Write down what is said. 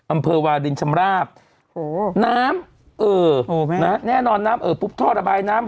อำเภอวาลินชำราบโอ้โหน้ำเออแม่แน่นอนน้ำเอ่อปุ๊บท่อระบายน้ำ